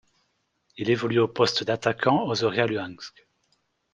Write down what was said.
Il évolue au poste d'attaquant au Zorya Luhansk.